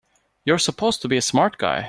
You're supposed to be a smart guy!